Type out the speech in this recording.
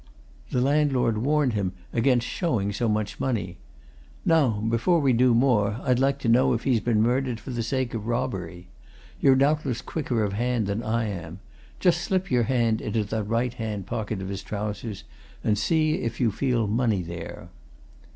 The landlord warned him against showing so much money. Now, before we do more, I'd like to know if he's been murdered for the sake of robbery. You're doubtless quicker of hand than I am just slip your hand into that right hand pocket of his trousers, and see if you feel money there."